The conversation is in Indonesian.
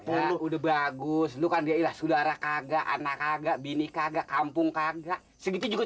udah bagus lu kan dia ilah saudara kagak anak kagak bini kagak kampung kagak segitu juga